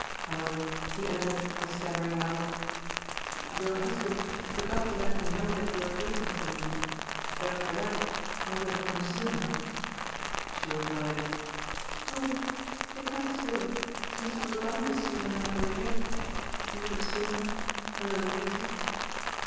However, he ended by stammering out: "Your husband forgot to let me know that you were waiting for me; but for that, I would have come sooner." She replied: "Oh! it matters little, since we were bound to see one another again a little sooner a little later!"